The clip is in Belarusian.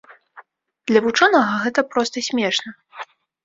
Для вучонага гэта проста смешна.